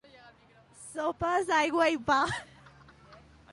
Sopes, aigua i pa.